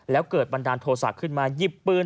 แล้วเกิดบันดาลโทษะขึ้นมาหยิบปืน